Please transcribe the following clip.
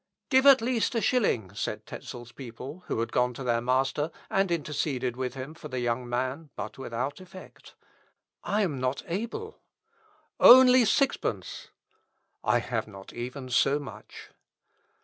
"Give at least a shilling," said Tezel's people who had gone to their master, and interceded with him for the young man, but without effect. "I am not able." "Only Sixpence." "I have not even so much."